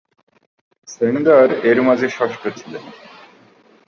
Sanger এর মাঝে ষষ্ঠ ছিলেন।